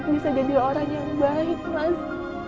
bisa jadi orang yang baik mas